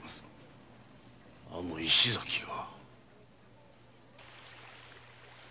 あの石崎が。